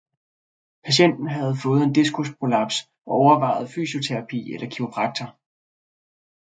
Patienten havde fået en diskusprolaps og overvejede fysioterapi eller kiropraktor.